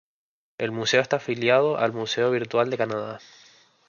El museo está afiliado al Museo virtual de Canadá.